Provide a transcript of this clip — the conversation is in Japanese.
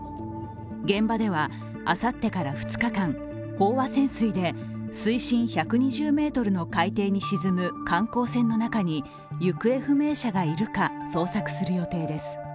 現場ではあさってから２日間飽和潜水で水深１２０ｍの海底に沈む観光船の中に行方不明者がいるか捜索する予定です。